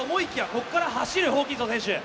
ここで走る、ホーキンソン選手。